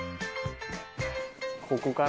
ここかな？